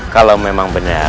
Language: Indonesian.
kalau memang benar